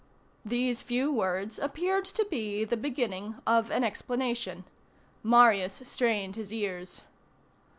These few words appeared to be the beginning of an explanation. Marius strained his ears.